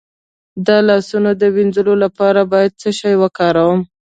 د لاسونو د مینځلو لپاره باید څه شی وکاروم؟